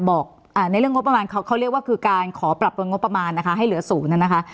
ในเรื่องงบประมาณเขาเรียกว่าคือการขอปรับปรุงงบประมาณนะคะให้เหลือศูนย์นะคะ